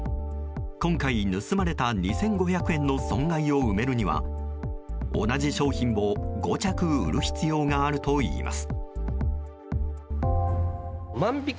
今回盗まれた２５００円の損害を埋めるには同じ商品を５着売る必要があるといいます。